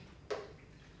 tentang apa yang terjadi